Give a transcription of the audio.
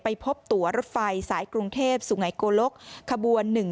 ไปพบตัวรถไฟสายกรุงเทพศ์สุงัยโกลกขบ๑๗๑